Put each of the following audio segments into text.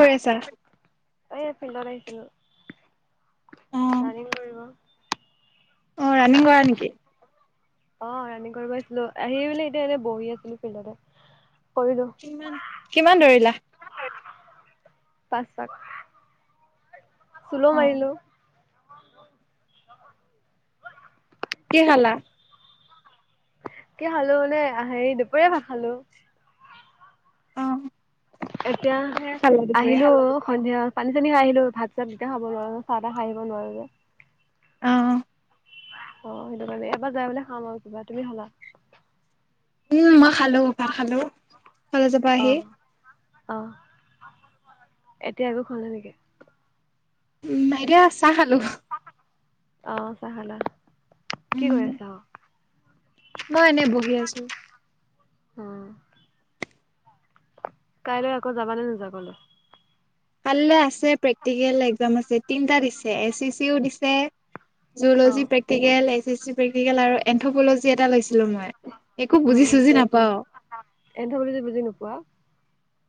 কি কৰি আছা? এ, ফিল্ডত আহিছিলো, ৰানিং কৰিব। অ', ৰানিং কৰা নেকি? অ', ৰাণিং কৰিব আহিছিলোঁ। আহি মানে এতিয়া এনেই বহি আছিলোঁ ফিল্ডতে। কৰিলো কিমান, কিমান দৌৰিলা? পাঁচবাৰ। [unintelligible] মাৰিলোঁ। কি খালা? কি খালো মানে, হেৰি দুপৰীয়া ভাত খালো। অ', এতিয়া, কিহেৰে খালা দুপৰীয়া? আহিলো সন্ধিয়া। পানী- চানী খাই আহিলো। ভাত- চাত এতিয়া খাব নোৱাৰোঁ। চাহ- তাহ খাই আহিব নোৱাৰো যে। অ অ', সেইটো কাৰণে, এইবাৰ যায় ফালে খাম আৰু কিবা। তুমি খালা? উম, মই খালো, ভাত খালো। কলেজৰ পৰা অ, আহি। অ ল, এতিয়া একো খোৱা নাই নেকি? [unintelligible] চাহ খালো। অ, চাহ খালা। কি উম কৰি আছা? মই এনেই বহি আছো। অ' কাইলৈ আকৌ যাবা নে নোযোৱা কলেজ? কাইলে আছে, প্ৰেক্টিকেল এক্জাম আছে, তিনিটা দিছে, এ চি চিও দিছে যুল'জি অ' practical, S S C practical আৰু এন্থ'পলজি এটা লৈছিলো মই একো উম উম বুজি-চুজি নাপাও। এন্থ'পলজি বুজি নোপোৱা?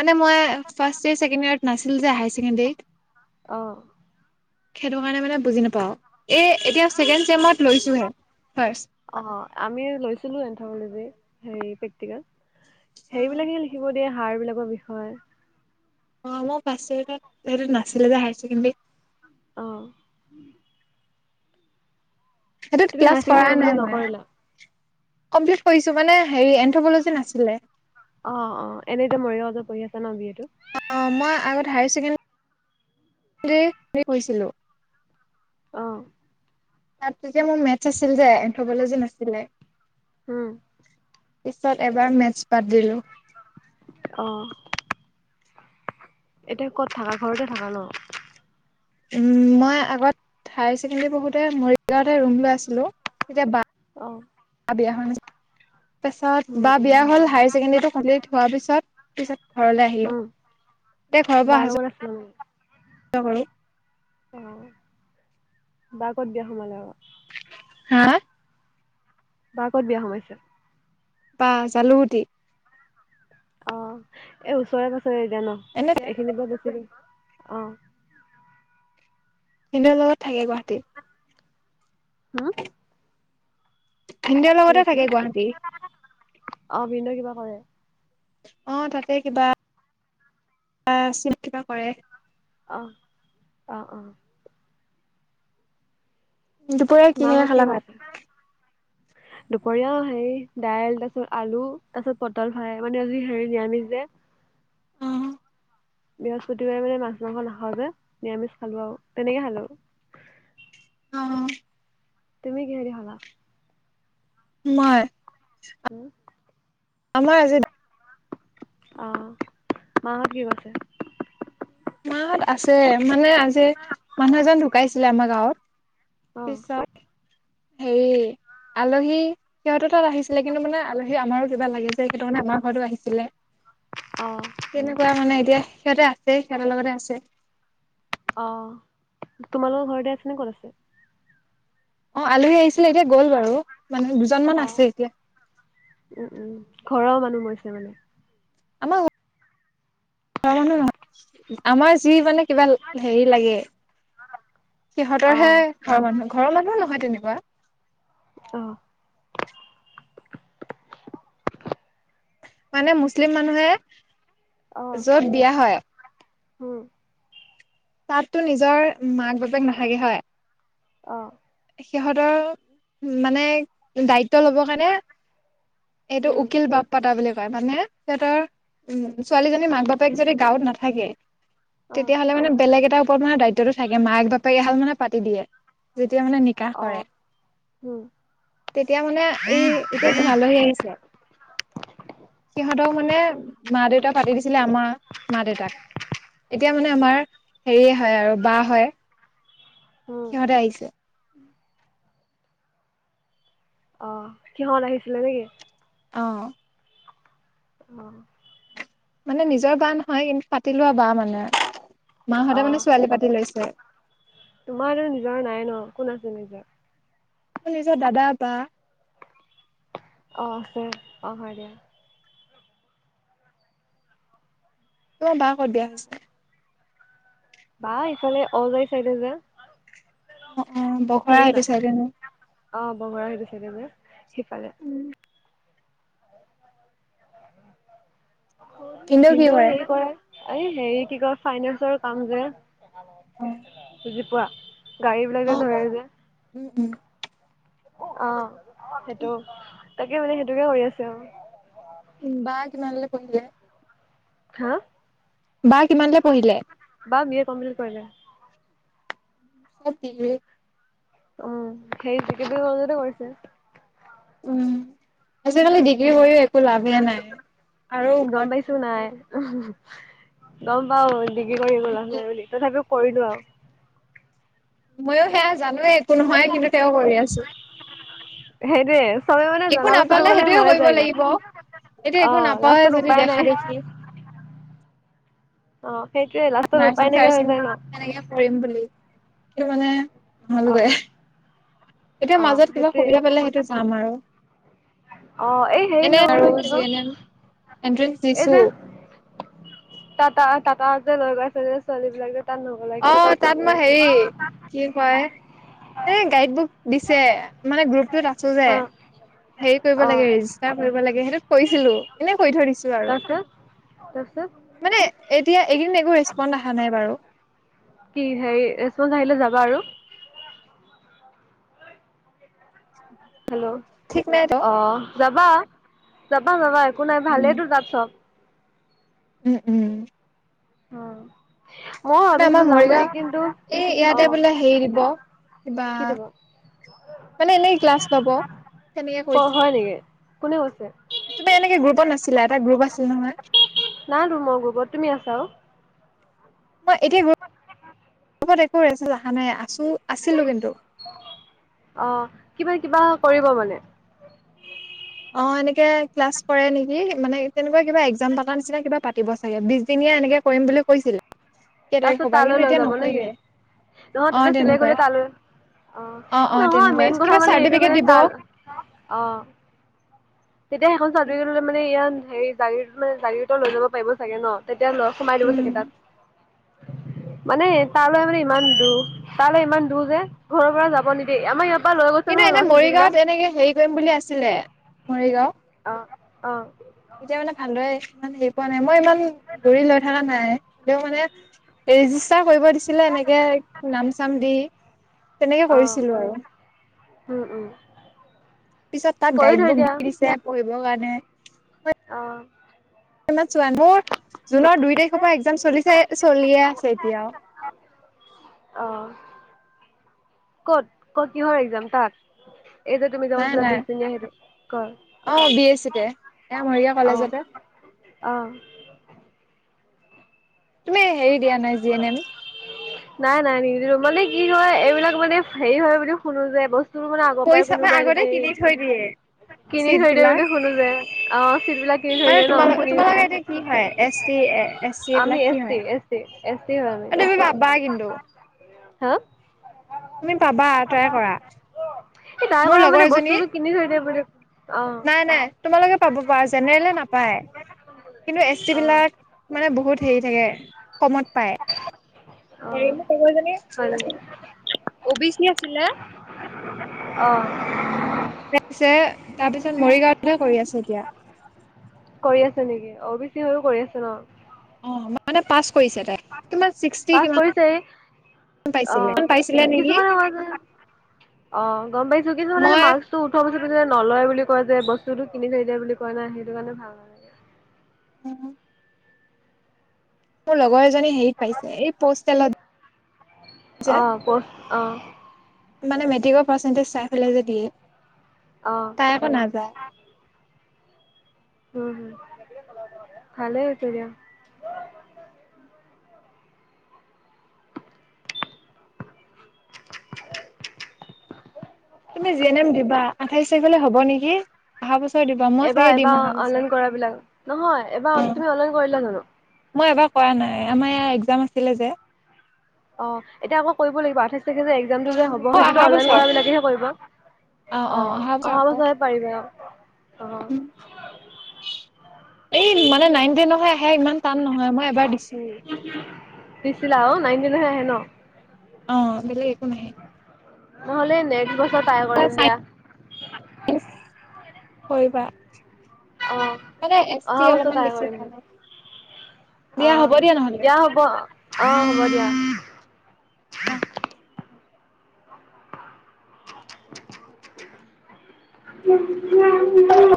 মানে মই ফাৰ্ষ্ট ইয়েৰ, ছেকেণ্ড ইয়েৰত নাছিল যে হায়াৰ ছেকেণ্ডেৰীত। অ সেইটো কাৰণে মানে বুজি নাপাওঁ। এই এতিয়া ছেকেণ্ড চেমত লৈছোহে ফ্ৰাষ্ট। অ, আমিও লৈছিলো এন্থ'পলজি হে প্ৰেক্টিকেল হেৰিবিলাকে লিখিব দিয়ে হাড় বিলাকৰ বিষয়ে। অ, মোৰ [unintelligible] সেইটো নাছিলে যে হায়াৰ ছেকেণ্ডেৰীত। অ'। সেইটোত তুমি ক্লাছ হায়াৰ ছেকেণ্ডেৰী কৰাই নাই কমপ্লিট মই। নকৰিলা কমপ্লিট কৰিছো মানে, হেৰি এন্থ'পলজি নাছিলে। অ, অ, এনেতো মৰিগাঁৱতে পঢ়ি আছা ন বি এ টো? অ, মই আগত হায়াৰ চেকেণ্ডেৰী হেৰী পঢ়িছিলো। অঁ। তাত যেতিয়া মোৰ মেথছ আছিল যে এন্থ'পলজী নাছিলে। হম। পিছত এবাৰ মেটছ বাদ দিলোঁ। অ। এতিয়া ক'ত থাকা? ঘৰতে থাকা ন? উম, মই আগত হায়াৰ ছেকেণ্ডৰী পঢ়োঁতে মৰিগাঁৱতে ৰুম লৈ আছিলো, তেতিয়া অ। বা বিয়া হোৱা নাছিল, পাছত উম বা উম বিয়া হ'ল হায়াৰ ছেকেণ্ডাৰীটো কমপ্লিট হোৱাৰ পিছত পিছত ঘৰলৈ আহিলো, উম এতিয়া ঘৰৰ পৰা আহা-যো [unintelligible] [unintelligible] অ, বা ক'ত বিয়া সোমালে আকৌ? হা! বা ক'ত বিয়া সোমাইছে? বা জালুগুটি। অ, এই ওচৰে-পাজৰে এতিয়া ন, এনে এইখিনি পৰা [unintelligible] ভিনদেউ লগত থাকে গুৱাহাটীত। হম! ভিনদেউ কি লগতে থাকে কৈছিলা গুৱাহাটী। অ, ভিনদেউ কিবা কৰে? অ', তাতে কিবা [unintelligible] কিবা কৰে। অহ, অ', অ। দুপৰীয়া কিহেৰে মাহঁত খালা ভাত? দুপৰীয়াও হেৰি দাইল, তাৰ পিছত আলু, তাৰ পিছত পটল ফ্ৰাই মানে আজি হেৰি নিৰামিষ যে। অ বৃহস্পতিবাৰে মানে মাছ-মাংস নাখাওঁ যে, নিৰামিষ খালো আৰু, তেনেকেই খালো। অ'। তুমি, কিহেদি খালা? মই। [inaudible] আমাৰ আজি অ', মাহত কি কৰিছে? মাহত আছে, মানে আজি মানুহ এজন ঢুকাইছিলে আমাৰ গাঁৱত, অ পিছত হেৰি। আলহী সিহঁতৰ তাত আহিছিলে, কিন্তু মানে আলহী আমাৰো কিবা লাগে যে, সেইতো কাৰণে আমাৰ ঘৰতো আহিছিলে। [inaudible] অ'। তেনেকুৱাই মানে এতিয়া, সিহঁতে আছে সিহঁতৰ লগতেই আছে। অ', তোমালোকৰ ঘৰতে আছে নে ক'ত আছে? অ', আলহী আহিছিলে, এতিয়া গ'ল বাৰু, মানে দুজন অ মান আছে এতিয়া। উম, উম, ঘৰৰ মানুহ মৰিছে মানে। আমাৰ ও ঘৰৰ মানুহ নহয়, আমাৰ যি মানে কিবা হেৰি লাগে। অ সিহঁতৰহে ঘৰৰ মানুহ, ঘৰৰ মানুহো নহয় তেনেকুৱা। অ'। মানে মুছলিম মানুহে, অ য'ত বিয়া হয়। উম তাততো নিজৰ মাক-বাপেক নাথাকে হয়। অ'। সিহঁতৰ মানে দায়িত্ব ল'বৰ কাৰণে, এইটো উম উকিল বাপ পাতা বুলি কয়, মানে সিহঁতৰ, উম, ছোৱালীজনীৰ মাক-বাপেক যদি গাঁৱত নাথাকে, অ তেতিয়াহলে মানে বেলেগ এটা ওপৰত মানে দায়িত্বটো থাকে, মাক-বাপেক এহাল মানে পাতি দিয়ে। যেতিয়া মানে নিক নিকাহ অ কৰে, উম তেতিয়া মানে এই, এতিয়া যোন আলহী আহিছে। [inaudible] সিহঁতক মানে মা-দেউতাক পাতি দিছিলে, আমাৰ মা-দেউতাক। এতিয়া মানে আমাৰ হেৰিয়ে হয়, আৰু, বা হয়, উম সিহঁতে আহিছে। [inaudible] অ', সিহঁত আহিছিলে নেকি? অ'। অ'। মানে নিজৰ বা নহয়, কিন্তু পাতি লোৱা বা মানে, মাহতে মানে ছোৱালী পাতি লৈছে। তোমাৰো নিজৰ নাই ন, কোন আছে নিজৰ? মোৰ, নিজৰ দাদা, বা। অ', আছে, অ', হয় দিয়া। তোমাৰ বা ক'ত বিয়া হৈছে? বা ইফালে অজাই চাইদে যে। অ', অ', বখৰা এইতো চাইডে ন। অ', বখৰা সেইতো চাইডে যে, সিফালে। ভিনদেউ হেৰি কৰে, এই হেৰি কি কয়? ফাইনেন্সৰ কাম যে। অ বুজি পোৱা, গাড়ী বিলাগ যে ধৰে যে। উম, উম। অ', সেইটো, তাকে মানে সেইটোকে কৰি আছো। উম বা কিমানলে পঢ়িলে। হা বা কিমানলে পঢ়িলে বা বি এ কম্প্লেত কৰিলে। হাপিকে। উ হেৰি [inaudible] কলেজতে কৰিছে। উম আজিকালি ডিগ্ৰী কৰিও একো লাভেই নাই আৰু গম ওপ। পাইছোঁ [inaudible] গম পাও ডিগ্ৰী কৰি একো লাভ লাগে নাই বুলি তথাপিও কৰিলো আৰু। ময়ো সেয়া জানোৱে একো নহয় কিন্তু তেওঁ কৰি আছো। হেটোৱে। চবে মানে একো জনা বস্তুো নাপালে মানে সেইটোয়ে হয়ে কৰিব যায়গে লাগিব এতিয়া অ একো নাপাওৱে লাষ্টত যদি উপায় দেখা নাই। দেখি অ সেইটোয়ে লা। নাৰ্ছিং চাৰছিং তেনেকে কৰিম বুলি কিন্তু মানে। অ নহলগৈ এতিয়া অ মাজত কিবা সেইটোয়ে সুবিধা পালে সেইটো যাম আৰু। অ এই হেৰি এনে আৰু নগলা কিয় যি এন এম এণ্ট্ৰেন্স এই দিছো। যে টাটা টাটা টাটা যে লৈ গইছে যে ছোৱালী বিলাক যে তাত ন। অ তাত মই হেৰি কি কয় এ গাডীত বুক। দিছে মানে গ্ৰুপটোত আছো যে। অ হেৰি কৰিব অ লাগে ৰেজিষ্টাৰ কৰিব লাগে সেইটোোক কৈছিলো এনে কৈ থৈ দিছো আৰু। তাপিছত। মানে এতিয়া এইকদিন একো ৰেচপন দেখা নাই বাৰু। কি হেৰি এচচ আহিলে যাবা আৰু। হেল্ল' ঠিক নাই ত অ যাবা যাবা যাবা একো নাই উম ভালেইেতো তাত চব। উম উম। অ। ময়ো মানে আমাৰ ভাবিছিলো যাম বুলি মৰিগাঁও কিন্তু এই অ ইয়াতে বোলে হেৰি দিব। কিবা কি দিব মানে এনেই ক্লাছ লব তেনেকে ক কৈচে। হয় নেকি কোনে কৈছে। তুবা এনেকে গ্ৰুপত নাছিলা এটা গ্ৰুপ আছিল নহয়। নাই তো মই গ্ৰুপত তুমি আছা অও। মই এতিয়া গ্ৰু পত একো ৰেছে অহা নাই আছো আছিলো কিন্তু। অ কিবা কিবা কৰিব মানে। অ এনেকে ক্লাছ কৰে নেকি মানে তেনেকুৱা কিবা একজাম পতা নিচিনা কিবা পাতিব চাগে বিছদিনীয়া এনেকে। কৰিম বুলি কৈছিলে। কেই তাৰ পিছত তাৰিখৰ পৰা তালৈ কিন্তু লৈ এতিয়া যাব নেকি। নকৰিলে নহয় অ তাতে চিলেক হলে তেনেকুৱাই তালৈ অ অ অ নহয় তেনেকুৱাই মেইন কথা কিবা মানে এইটো চাৰ্টিফিকেট মানে দিব তাল। অ তেতিয়া সেইখন চাটিপিকেত হলে মানে ইয়াত হেৰি। গাড়ী মে গাড়ীত লৈ যাবাৰিবাগে ন তেতিয়া ল সোমাই দিব উম চাগে তাত। মানে তালৈ মানে ইমান দু। তালৈ ইমান দূৰ যে ঘৰৰ পৰা যাব নিদিয় আমাৰ ইয়া। কিন্তু এনে মৰিগাঁওত এনেকে হেৰি কৰিম বুলি আছিলে মৰিগাঁও। অ অ। তেতিয়া মানে ভালদৰে ইমান হেৰি পোৱা নাই মই ইমান ঘূৰি লৈ থকা নাই দেও মানে। ৰেজিষ্টাৰ কৰিব দিছিলে এনেকে নাম চাম দি তেনেকে অ', কৰিছিলো আৰু। উম উম। পিছত তাত কৰি গাইড থৈ বুক দি দিয়া দিছে পঢ়িবৰ কাৰণে। মই অ', [unintelligible] মোৰ জুনৰ দুই তাৰিখৰ পৰা এক্সাম চলিছে চলিয়ে আছে এতিয়াও। অ', কত কত কিহৰ এক্সাম তাত? এই যে তুমি যে নাই কৈছিলা [unintelligible] নাই নে সেইটো কৰ এ মৰিগাঁও অ', কলেজতে। অ', তুমি হেৰি দিয়া নাই জি এন এম? নাই নাই, নিদো মানে কি হয় এইবিলাক মানে হেৰি হয় বুলি শুনো যে বস্তু তোৰ মানে আগৰ পৰাই পইচা মানে কোনোবাই আগতে নেকি কিনি থৈ দিয়ে কিনি চিট থৈ দিয়ে বিলাক বুলি শুনো যে অ', চিট বিলাক কিনি থৈ মানে দিয়ে ন' তোমাল শুনি তোমালোকে এতিয়া কি হয় এছ টি এ এছ চি আমি এইবিলাক কি এছ চি, হয় এছ চি, এছ চি হয় আমি তুমি পাবা কিন্তু [inaudible] তুমি পাবা ট্ৰাই কৰা এই [unintelligible] মোৰ কৰা মানে লগৰজনীয়ে বস্তুটো কিনি থৈ দিয়ে বুলি অ', নাই - নাই, তোমালোকে পাব পাৰা জেনেৰেলে নাপায় কিন্তু এছ চি অ'। বিলাক মানে বহুত হেৰি থাকে কমত পায় অ হেৰি মোৰ লগৰজনী, হয় নেকি অ' বি চি আছিলে অ', তাৰ পিছে তাৰ পিছত মৰিগাঁৱতহে কৰি আছে এতিয়া কৰি আছে নেকি, অ' বি চি হৈও কৰি আছে ন? অ মানে পাছ কৰিছে তাই কিমান ছিক্সটি কিমান পিছে পাইছিলে, পাইছিলে নেকি কয় যে অ', গম পাইছোঁ কিন্তু মানে [unintelligible] মই মাৰ্ক্স টো উঠোৱা পিছতো যে নলয় বুলি কয় যে, বস্তুটো কিনি থৈ দিয়ে বুলি কয় নাই সেইটো কাৰণে ভাল হয় উম, মোৰ লগৰ এজনী হেৰিত পাইছে এই পষ্টেলত অ যে পষ্ট অ মানে মেট্ৰিকৰ পাৰ্চেন্টেজ চাই পেলাই যে দিয়ে অ', তাই আকৌ নাযায়। হুম, হুম, ভালে হৈছে দিয়া কিন্তু জি এন এম দিবা আঠাইশ তাৰিখলৈ হ'ব নিকি? অহা বছৰ দিবা এবাৰ এবাৰ অনলাইন কৰা বিলাক নহয় অ এবাৰ তুমি অনলাইন কৰিলা জানো? মই এবাৰ কৰা নাই আমাৰ ইয়াৰ এক্সাম আছিলে যে অ', এতিয়া আকৌ কৰিব লাগিব আঠাইশ তাৰিখে যে এক্সামটো যে হব অ অহা সেইটোতো অনলাইন বছৰ কৰা বিলাকে হে কৰিব অ', অহা বছৰ হে পাৰিবে অ', অ', এই মানে নাইন টেনৰ হে আহে ইমান টান নহয় মই এবাৰ দিছো দিছিলা অ', নাইন টেনৰহে আহে ন? অ', বেলেগ একো নাহে। নহলে নেট বছৰ টাই কৰিম দিয়া কৰিবা। অ', মানে এচ অহা টি বছৰ অলপমান ট্ৰাই বেছি কৰিম দিয়া ভাল হয়, দিয়া হ'ব দিয়া নহ'লে অ', অ', হ'ব দিয়া। অ', [unintelligible]